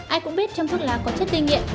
ai cũng biết trong thuốc lá có chất gây nghiện